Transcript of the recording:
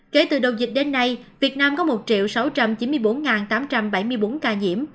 kể từ đầu dịch đến nay việt nam có một sáu trăm chín mươi bốn tám trăm bảy mươi bốn ca nhiễm